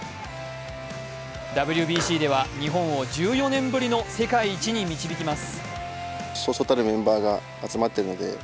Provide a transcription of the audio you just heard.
ＷＢＣでは日本を１４年ぶりの世界一に導きます。